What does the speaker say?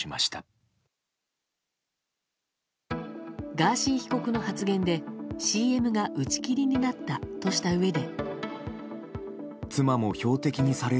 ガーシー被告の発言でＣＭが打ち切りになったとしたうえで。